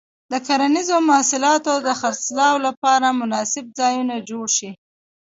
د کرنیزو محصولاتو د خرڅلاو لپاره مناسب ځایونه جوړ شي.